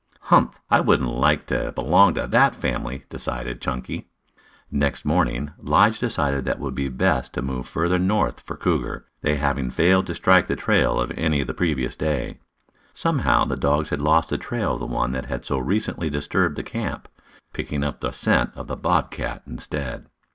"Humph! I wouldn't like to belong to that family," decided Chunky. Next morning, Lige decided that it would be best to move further north for cougar, they having failed to strike the trail of any on the previous day. Somehow, the dogs had lost the trail of the one that had so recently disturbed the camp, picking up the scent of the bob cat instead.